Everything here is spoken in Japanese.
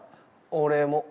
俺も。